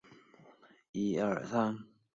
应课差饷租值是评估差饷的基础。